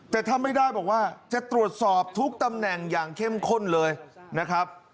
แต่ถ้าไม่ได้บอกว่าจะตรวจสอบทุกตำแหน่งอย่างเข้มข้นเลยนะครับ